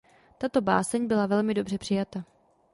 Tato báseň byla velmi dobře přijata.